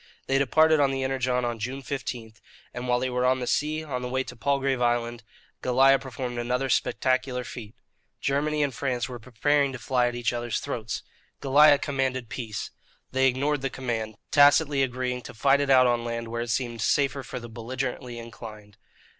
They departed on the Energon on June 15; and while they were on the sea, on the way to Palgrave Island, Goliah performed another spectacular feat. Germany and France were preparing to fly at each other's throats. Goliah commanded peace. They ignored the command, tacitly agreeing to fight it out on land where it seemed safer for the belligerently inclined.